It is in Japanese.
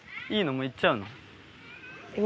もう行っちゃうの？